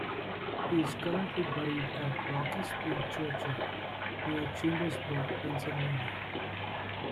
He is currently buried at Rocky Spring Churchyard, near Chambersburg, Pennsylvania.